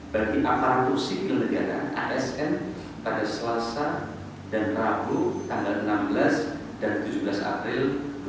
bagi aparatur sipil negara asn pada selasa dan rabu tanggal enam belas dan tujuh belas april dua ribu dua puluh